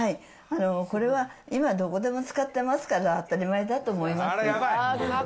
これは今どこでも使ってますから、当たり前だと思います。